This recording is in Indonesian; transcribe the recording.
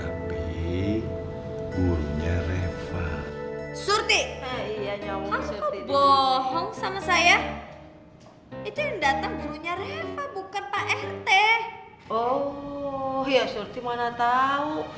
oh ya surti mana tau